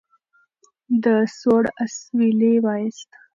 ده سوړ اسویلی وایست.